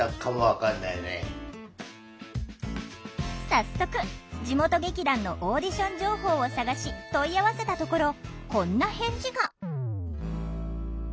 早速地元劇団のオーディション情報を探し問い合わせたところこんな返事が。